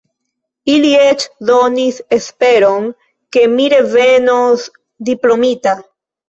Ili eĉ donis esperon, ke mi revenos diplomita.